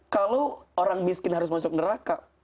kalau orang miskin harus masuk neraka